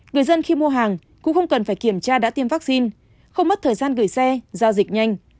người dân khi mua hàng cũng không cần phải kiểm tra đã tiêm vaccine không mất thời gian gửi xe giao dịch nhanh